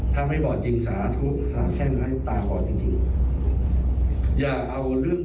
ถ้าไม่บอดจริงสาธุสาธุแท่งให้ตาบอดจริง